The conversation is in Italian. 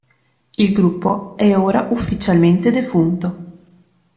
Il gruppo è ora ufficialmente defunto.